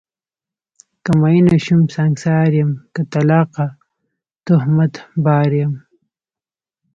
که میینه شوم سنګسار یم، که طلاقه تهمت بار یم